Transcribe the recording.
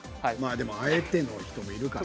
でも、あえての人もいるからね。